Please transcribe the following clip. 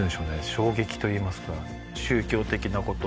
衝撃といいますか宗教的なこと